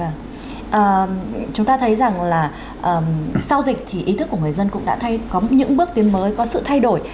chúng ta thấy rằng là sau dịch thì ý thức của người dân cũng đã có những bước tiến mới có sự thay đổi